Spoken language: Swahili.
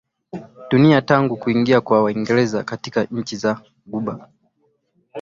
dunia Tangu kuingia kwa Waingereza katika nchi za ghuba